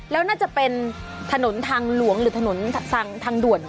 แล้วน่าจะเป็นถนนทางหลวงหรือถนนทางด่วน